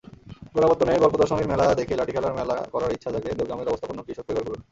গোড়াপত্তনের গল্পদশমীর মেলা দেখেই লাঠিখেলার মেলা করার ইচ্ছা জাগে দেওগ্রামের অবস্থাপন্ন কৃষক পরিবারগুলোর।